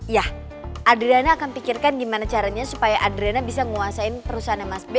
yah adriana akan pikirkan gimana caranya supaya adriana bisa nguasain perusahaannya mas b